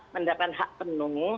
mendapatkan hak penuh